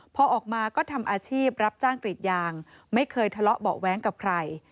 พอออกมาก็ทำอาชีพรับจ้างกรีดยางไม่เคยทะเลาะเบาะแว้งกับใคร